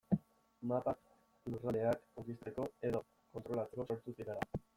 Mapak lurraldeak konkistatzeko edo kontrolatzeko sortu zirela.